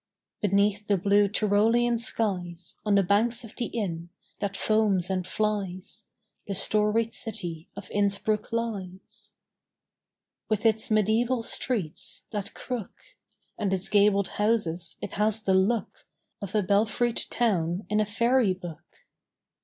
Beneath the blue Tyrolean skies On the banks of the Inn, that foams and flies, The storied city of Innsbruck lies. With its mediæval streets, that crook, And its gabled houses, it has the look Of a belfried town in a fairy book.